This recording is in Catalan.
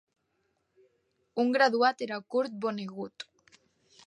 Un graduat era Kurt Vonnegut.